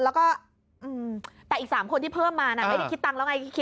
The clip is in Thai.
แล้วก็แต่อีก๓คนที่เพิ่มมาน่ะไม่ได้คิดตังค์แล้วไง